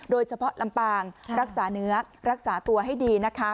ลำปางรักษาเนื้อรักษาตัวให้ดีนะคะ